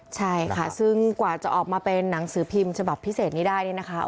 ใช่ค่ะซึ่งกว่าจะออกมาเป็นหนังสือพิมพ์ฉบับพิเศษนี้ได้เนี่ยนะคะ